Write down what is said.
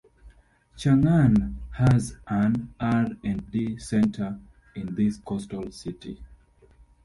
Chang'an has an R and D center in this coastal city.